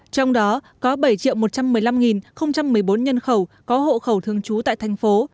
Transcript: trong đó có bảy một trăm một mươi năm một mươi bốn nhân khẩu có hộ khẩu thường trú tại thành phố